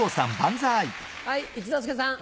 はい一之輔さん。